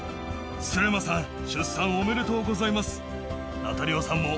スレマさん、出産おめでとうございます！